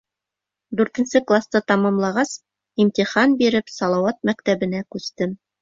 Дүртенсе класты тамамлағас, имтихан биреп, Салауат мәктәбенә күстем.